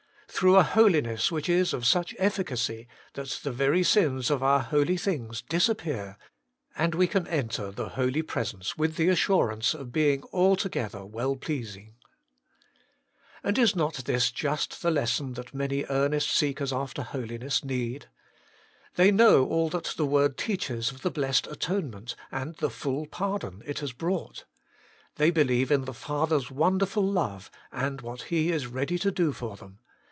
Through a holiness which is of such efficacy, that the very sins of our holy things disappear, and we can enter the Holy Presence with the assurance of being altogether well pleasing. 84 HOLY IN CHRIST. And is not just this the lesson that many earnest seekers after holiness need ? They know all that the Word teaches of the blessed Atonement, and the full pardon it has brought. They believe in the Father's wonderful love, and what He is ready to do for them.